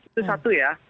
itu satu ya